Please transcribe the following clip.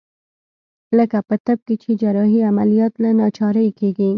لکه په طب کښې چې جراحي عمليات له ناچارۍ کېږي.